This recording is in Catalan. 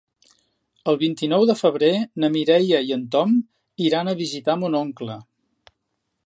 El vint-i-nou de febrer na Mireia i en Tom iran a visitar mon oncle.